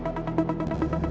lepasin temen gue sekarang